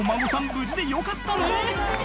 無事でよかったね